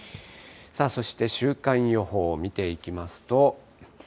そして、週間予報見ていきますと。